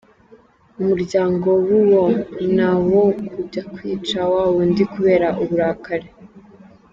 Umuryango w’uwo na wo ukajya kwica wawundi kubera uburakari.